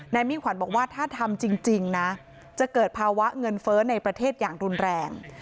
มิ่งขวัญบอกว่าถ้าทำจริงนะจะเกิดภาวะเงินเฟ้อในประเทศอย่างรุนแรง